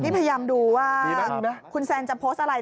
นี่พยายามดูว่าคุณแซนจะโพสต์อะไร